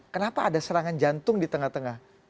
kenapa ada serangan jantung di tengah tengah